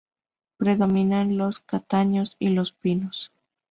Predominan los castaños y los pinos.